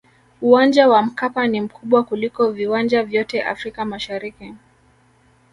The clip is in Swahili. uwanja wa mkapa ni mkubwa kuliko viwanja vyote afrika mashariki